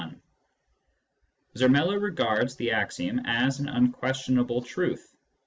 1 Zermelo regards the axiom as an unquestionable truth.